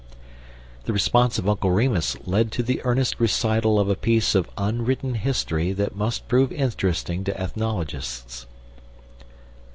The response of Uncle Remus led to the earnest recital of a piece of unwritten history that must prove interesting to ethnologists.